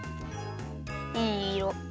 いいいろ。